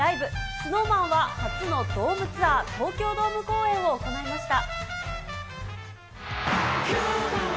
ＳｎｏｗＭａｎは初のドームツアー、東京ドーム公演を行いました。